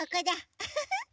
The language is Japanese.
ウフフ。